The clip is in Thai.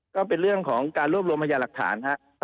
ก็เป็นเรื่องของการรวบรวมพยาหลักฐานครับ